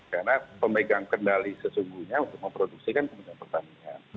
karena pemegang kendali sesungguhnya untuk memproduksikan kementerian pertanian